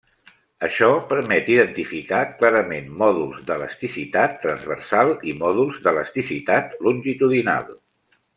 Això permet identificar clarament mòduls d'elasticitat transversal i mòduls d'elasticitat longitudinal.